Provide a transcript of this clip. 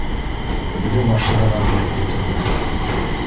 Үҙе машинаға ме неп ултырҙы